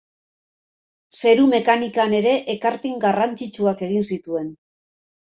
Zeru mekanikan ere ekarpen garrantzitsuak egin zituen.